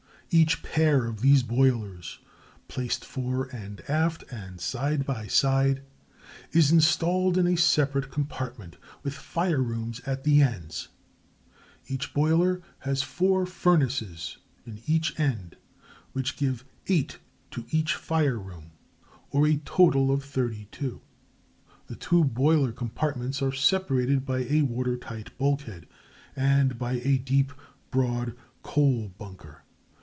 Each pair of these boilers, placed fore and aft and side by side, is installed in a separate compartment, with fire rooms at the ends. Every boiler has four furnaces in each end, which give eight to each fire room, or a total of thirty two. The two boiler compartments are separated by a water tight bulkhead, and by a deep, broad coal bunker.